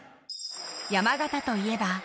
山縣といえば。